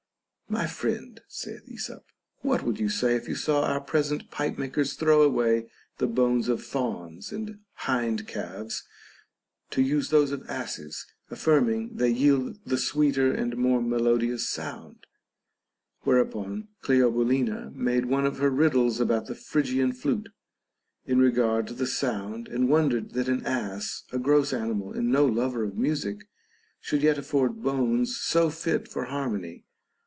My friend, saith Esop, what would you say if you saw our present pipe makers throw away the bones of fawns and hind calves, to use those of asses, affirming they yield the sweeter and more melodious sound ] Where THE BANQUET OF THE SEVEN WISE MEN. 13 upon Cleobulina made one of her riddles about the Phry gian flute, ... in regard to the sound, and wondered that an ass, a gross animal and no lover of music, should yet afford bones so fit for harmony.